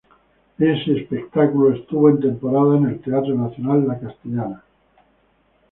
Ese espectáculo estuvo en temporada en el Teatro Nacional La Castellana.